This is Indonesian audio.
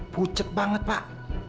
pucet banget pak